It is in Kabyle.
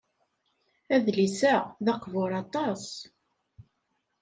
Adlis-a d aqbur aṭas.